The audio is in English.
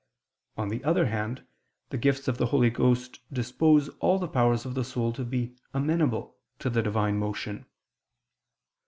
On the other hand the gifts of the Holy Ghost dispose all the powers of the soul to be amenable to the Divine motion.